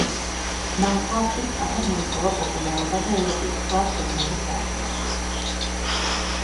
მან ხალხში სწრაფად მოიპოვა პოპულარობა და ევროპის სხვა ქვეყნებიც დაიპყრო.